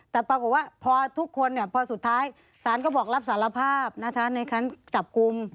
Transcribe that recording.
แต่ปรากฏว่าพอสุดท้ายฐานก็บอกรับสารภาพในครั้งจับกลุ่ม